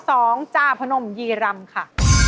ข้อ๒จาพนมยีรำค่ะ